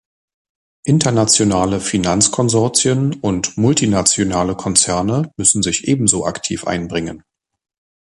Internationale Finanzkonsortien und multinationale Konzerne müssen sich ebenso aktiv einbringen.